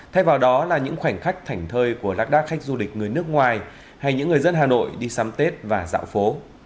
thay vào đó là những khoảnh khách thảnh thơi của lạc đác khách du lịch người nước ngoài hay những người dân hà nội đi sắm tết và dạo phố